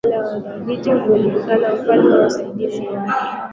Waha walikuwa na utawala thabiti uliojumuisha mfalme wa wasaidizi wake